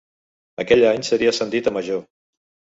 Aquell any seria ascendit a major.